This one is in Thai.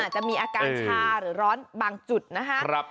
จะมีอาการชาหรือร้อนบางจุดนะคะ